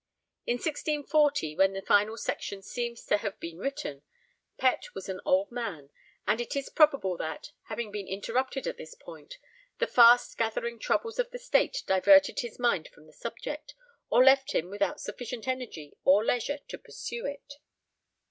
In 1640, when the final section seems to have been written, Pett was an old man, and it is probable that, having been interrupted at this point, the fast gathering troubles of the State diverted his mind from the subject, or left him without sufficient energy or leisure to pursue it.